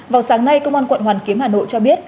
vào sáng nay công an quận hoàn kiếm hà nội cho biết